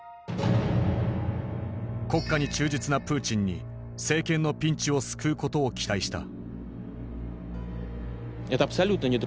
国家に忠実なプーチンに政権のピンチを救うことを期待した。